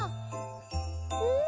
うん！